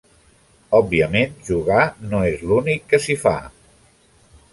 Òbviament jugar no és l'únic que s'hi fa.